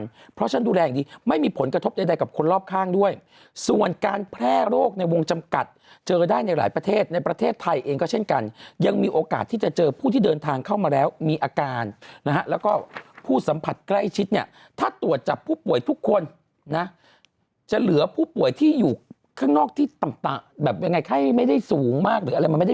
เพราะฉะนั้นดูแลอย่างดีไม่มีผลกระทบใดกับคนรอบข้างด้วยส่วนการแพร่โรคในวงจำกัดเจอได้ในหลายประเทศในประเทศไทยเองก็เช่นกันยังมีโอกาสที่จะเจอผู้ที่เดินทางเข้ามาแล้วมีอาการนะฮะแล้วก็ผู้สัมผัสใกล้ชิดเนี่ยถ้าตรวจจับผู้ป่วยทุกคนนะจะเหลือผู้ป่วยที่อยู่ข้างนอกที่ต่ำแบบยังไงไข้ไม่ได้สูงมากหรืออะไรมันไม่ได้